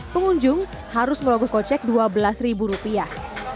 pengunjung harus merogoh kocek dua belas ribu rupiah